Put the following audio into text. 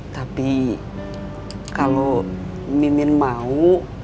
tapi kalau mimin mau